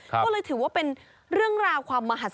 ก็เลยถือว่าเป็นเรื่องราว